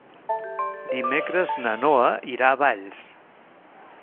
Dimecres na Noa irà a Valls.